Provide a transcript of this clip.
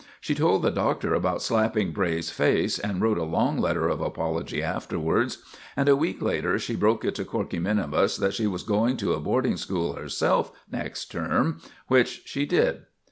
She told the Doctor about slapping Bray's face, and wrote a long letter of apology afterwards; and a week later she broke it to Corkey minimus that she was going to a boarding school herself next term; which she did.